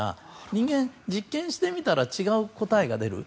人間、実験してみたら違う答えが出る。